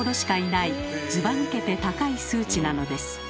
ずば抜けて高い数値なのです。